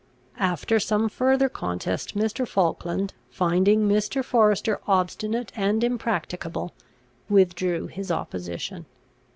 After some further contest Mr. Falkland, finding Mr. Forester obstinate and impracticable, withdrew his opposition.